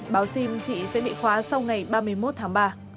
báo xin chị sẽ bị khóa sau ngày ba mươi một tháng ba